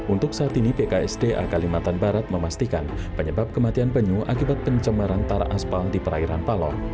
untuk saat ini pksda kalimantan barat memastikan penyebab kematian penyuh akibat pencemaran tarak asfal di perairan paloh